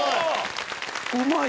うまい！